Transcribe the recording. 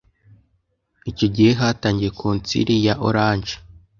icyo gihe Hatangiye konsili ya Orange